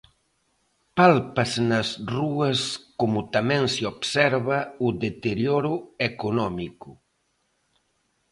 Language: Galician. Pálpase nas rúas como tamén se observa o deterioro económico...